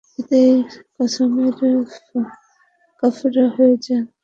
এতেই কসমের কাফফারা হয়ে যাবে।